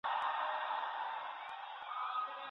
ايا په مرکه کي د مخطوبې د کورنۍ ستاينه کيږي؟